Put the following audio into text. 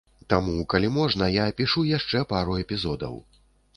Таму, калі можна я апішу яшчэ пару эпізодаў.